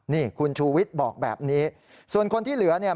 นี่คุณชูวิทย์บอกแบบนี้ส่วนคนที่เหลือเนี่ย